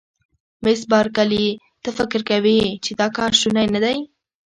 مس بارکلي: ته فکر کوې چې دا کار شونی نه دی؟